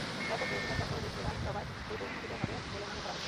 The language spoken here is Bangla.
ব্যাপক বিরোধিতা সত্ত্বেও দেশটির আইনসভায় এটি অনুমোদিত হবে বলে মনে করা হচ্ছে।